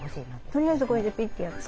とりあえずこれでピッとやって。